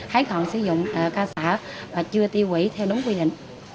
hết hạn sử dụng ở ca sở và chưa tiêu quỷ theo đúng quy định